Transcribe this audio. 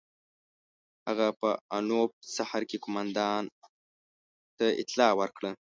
هغه په انوپ سهر کې قوماندان ته اطلاع ورکړه.